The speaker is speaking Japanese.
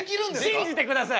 信じてください。